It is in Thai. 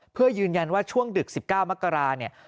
เพื่อยืนยันว่าช่วงดึก๑๙มกราเนี่ย